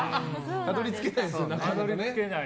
たどり着けないよね。